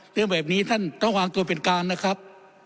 เรื่องแบบนี้ท่านต้องวางตัวเป็นการนะครับ